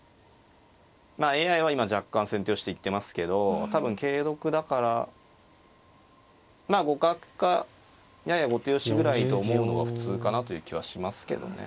まあＡＩは今若干先手よしって言ってますけど多分桂得だからまあ互角かやや後手よしぐらいと思うのが普通かなという気はしますけどね。